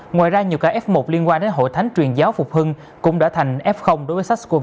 ngoài ra nhiều ca f một liên quan đến hội thánh truyền giáo phục hưng cũng đã thành f đối với sars cov hai